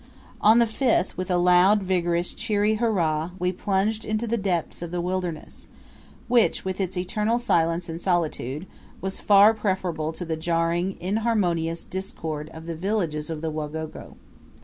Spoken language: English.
On the 5th, with a loud, vigorous, cheery "Hurrah!" we plunged into the depths of the wilderness, which, with its eternal silence and solitude, was far preferable to the jarring, inharmonious discord of the villages of the Wagogo.